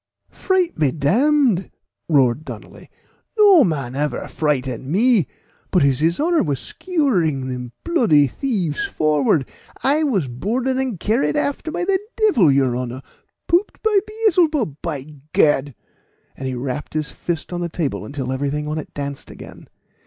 "Fright be d d!" roared Donnally; "no man ever frightened me; but as his honor was skewering them bloody thieves forward, I was boarded and carried aft by the devil, your honor pooped by Beelzebub, by ," and he rapped his fist on the table until everything on it danced again.